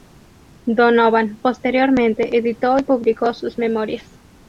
Donovan posteriormente editó y publicó sus memorias.